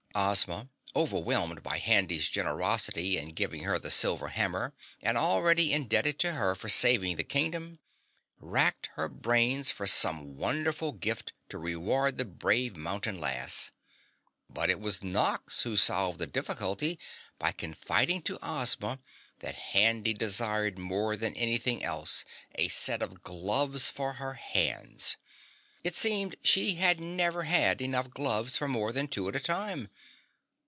Ozma, overwhelmed by Handy's generosity in giving her the silver hammer, and already indebted to her for saving the Kingdom, racked her brains for some wonderful gift to reward the brave mountain lass. But it was Nox who solved the difficulty by confiding to Ozma that Handy desired more than anything else a set of gloves for her hands. It seemed she had never had enough gloves for more than two at a time.